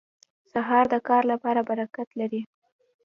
سهار د کار لپاره برکت لري.